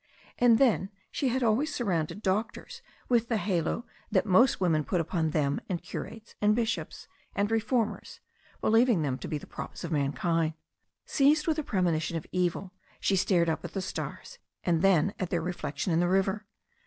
And then she had always surrounded doctors with the halo that most women put upon them and curates, and bishops, and reformers, believ ing them to be the props of mankind. Seized with a premonition of evil, she stared up at the stars and then at their reflection in the river.